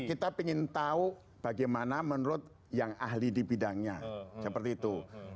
kita ingin tahu bagaimana menurut yang ahli di bidangnya seperti itu